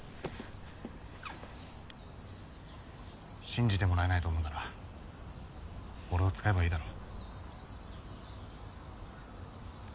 信じてもらえないと思うなら俺を使えばいいだろ。